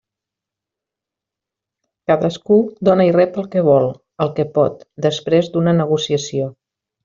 Cadascú dóna i rep el que vol, el que pot, després d'una negociació.